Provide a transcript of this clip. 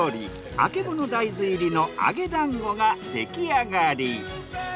あけぼの大豆入りの揚げ団子が出来上がり。